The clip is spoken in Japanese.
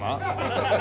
ハハハハハ。